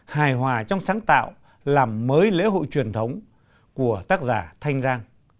hài hòa trong sáng tạo làm mới lễ hội truyền thống của tác giả thanh giang